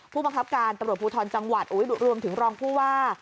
ผู้บังคับการตำรวจภูทรจังหวัดรวมถึงรองผู้ว่า